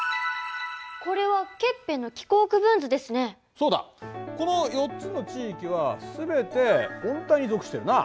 そうだこの４つの地域はすべて温帯に属しているな。